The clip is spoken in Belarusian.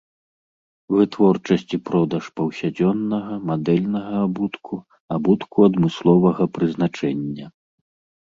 Вытворчасць і продаж паўсядзённага, мадэльнага абутку, абутку адмысловага прызначэння.